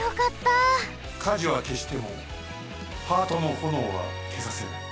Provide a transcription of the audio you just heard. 火事はけしてもハートのほのおはけさせない。